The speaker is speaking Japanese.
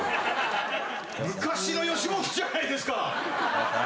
昔の吉本じゃないですか！